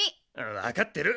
わかってる。